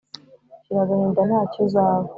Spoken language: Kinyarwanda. shira agahinda ntacyo uzaba.